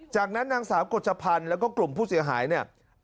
จากนั้นนางสาวกฎชพันธ์แล้วก็กลุ่มผู้เสียหายเนี่ย